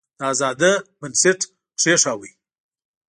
د آزادی بنسټ کښېښود.